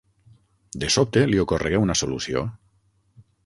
De sobte, li ocorregué una solució.